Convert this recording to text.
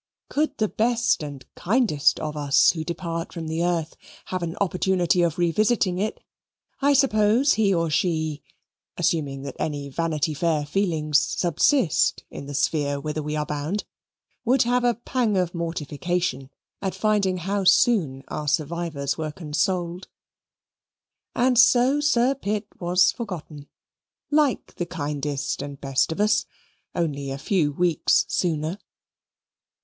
Could the best and kindest of us who depart from the earth have an opportunity of revisiting it, I suppose he or she (assuming that any Vanity Fair feelings subsist in the sphere whither we are bound) would have a pang of mortification at finding how soon our survivors were consoled. And so Sir Pitt was forgotten like the kindest and best of us only a few weeks sooner.